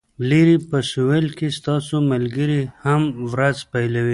لرې په سویل کې ستاسو ملګري هم ورځ پیلوي